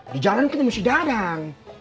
di jalan ketemu si dadang